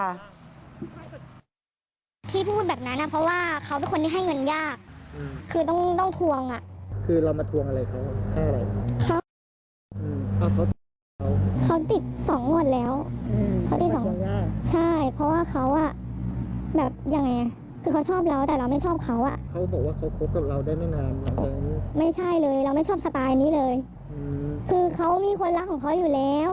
มีคนรักของเขาอยู่แล้ว